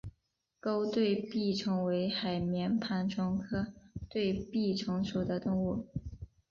弓对臂虫为海绵盘虫科对臂虫属的动物。